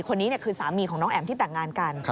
คนนี้คือสามีของน้องแอ๋มที่แต่งงานกัน